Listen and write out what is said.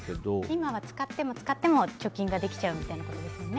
今は使っても使っても貯金ができちゃうってことですよね？